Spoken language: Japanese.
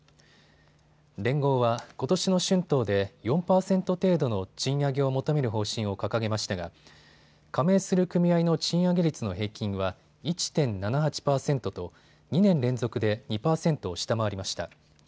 連合は、ことしの春闘で４％程度の賃上げを求める方針を掲げましたが加盟する組合の賃上げ率の平均は１．７８％と２年連続で２％を下回りました。